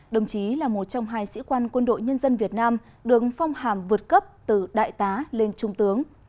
đồng chí là một trong hai sĩ quan quân đội nhân dân việt nam đường phong hàm vượt cấp từ đại tá lên trung tướng